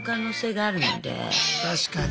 確かに。